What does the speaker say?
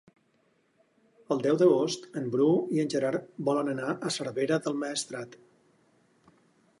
El deu d'agost en Bru i en Gerard volen anar a Cervera del Maestrat.